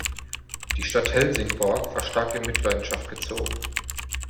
Die Stadt Helsingborg war stark in Mitleidenschaft gezogen.